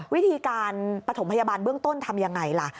วิธีการปฐมพยาบาลเบื้องต้นทำยังไงล่ะ